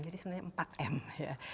jadi sebenarnya empat m ya